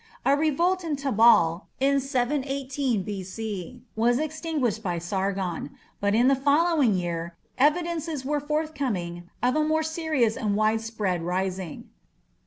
A revolt in Tabal in 718 B.C. was extinguished by Sargon, but in the following year evidences were forthcoming of a more serious and widespread rising.